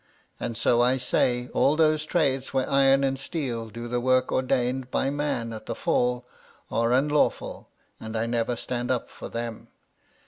And so I say, all those trades where iron and steel do the work ordained to man at the Fall, are unlawful, and I never stand up for them.